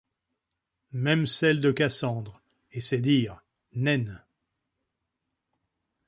Même celles de Cassandre, et c’est dire, naine !